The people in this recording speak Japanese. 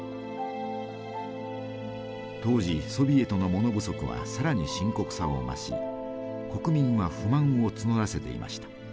当時ソビエトの物不足は更に深刻さを増し国民は不満を募らせていました。